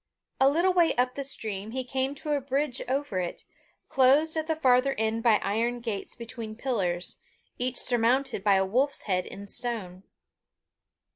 A little way up the stream, he came to a bridge over it, closed at the farther end by iron gates between pillars, each surmounted by a wolf's head in stone.